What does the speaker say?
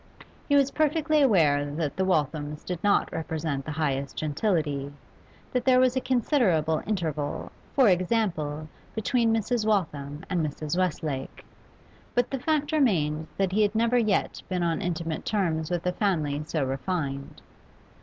He was perfectly aware that the Walthams did not represent the highest gentility, that there was a considerable interval, for example, between Mrs. Waltham and Mrs. Westlake; but the fact remained that he had never yet been on intimate terms with a family so refined.